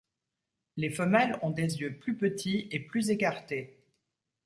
Les femelles ont des yeux plus petits et plus écartés.